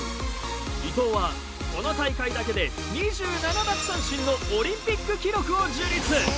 伊藤はこの大会だけで２７奪三振のオリンピック記録を樹立。